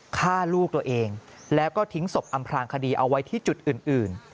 ฆ่าลูกตัวเองแล้วก็ทิ้งศพอำพลางคดีเอาไว้ที่จุดอื่น